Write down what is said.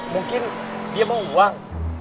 mungkin dia mau uang